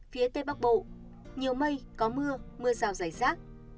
phía tây bắc bộ nhiều mây có mưa mưa rào rải rác